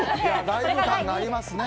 ライブ感がありますね。